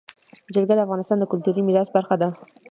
جلګه د افغانستان د کلتوري میراث برخه ده.